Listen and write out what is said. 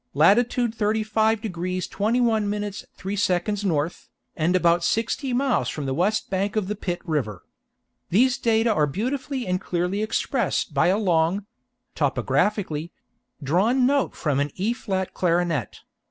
latitude 35 degrees 21 minutes 03 seconds N., and about sixty miles from the west bank of Pitt River. These data are beautifully and clearly expressed by a long (topographically) drawn note from an E flat clarionet.